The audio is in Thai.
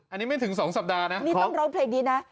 อันนี้ไม่ถึงสองสัปดาห์นะนี่ต้องเล่าเพลงดีนะ